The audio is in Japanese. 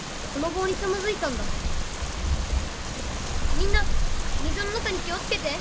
みんな水の中に気をつけて。